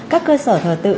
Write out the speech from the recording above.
các cơ sở thờ tự